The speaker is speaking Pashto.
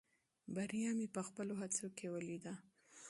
بریا مې په خپلو هڅو کې ولیده.